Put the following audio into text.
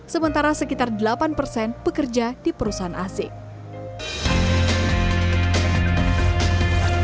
sementara sekitar delapan persen bekerja di perusahaan asing